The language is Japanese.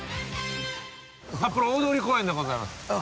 札幌大通公園でございます。